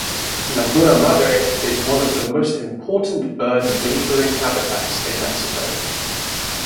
Laguna Madre is one of the most important bird wintering habitats in Mexico.